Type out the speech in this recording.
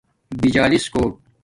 بجالس کوٹ